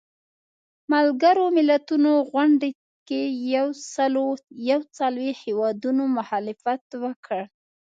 ملګرو ملتونو غونډې کې یو سلو یو څلویښت هیوادونو مخالفت وکړ.